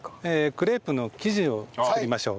クレープの生地を作りましょう。